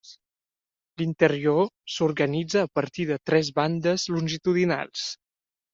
L'interior s'organitza a partir de tres bandes longitudinals.